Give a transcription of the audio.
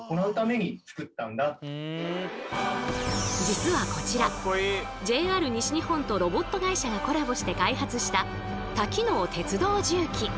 実はこちらＪＲ西日本とロボット会社がコラボして開発した多機能鉄道重機。